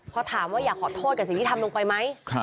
พอถามว่าอยากขอโทษกับสิ่งที่ทำลงไปไหม